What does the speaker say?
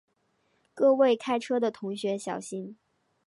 各位开车的同学小心